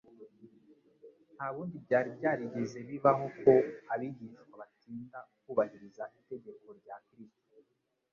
Nta bundi byari byarigeze bibaho ko abigishwa batinda kubahiriza itegeko rya Kristo.